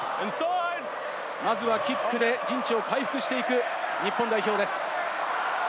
まずはキックで陣地を回復していく日本代表です。